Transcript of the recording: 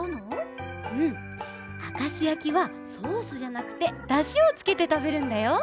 うんあかしやきはソースじゃなくてだしをつけてたべるんだよ。